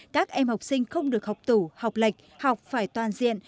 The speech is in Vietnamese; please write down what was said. các em học sinh không được học tủ học lệch học phải toàn diện